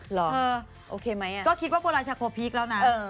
เหรอโอเคมั้ยอะก็คิดว่าบัวลอยชาโคพีคแล้วนะ